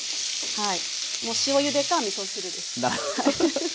はい。